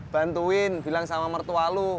bantuin bilang sama mertua lo